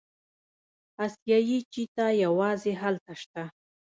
اسیایي چیتا یوازې هلته شته.